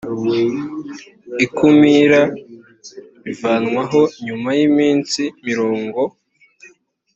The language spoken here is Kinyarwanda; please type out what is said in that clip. ikumira rivanwaho nyuma y iminsi mirongo